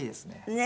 ねえ。